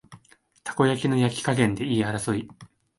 たこ焼きの焼き加減で言い争い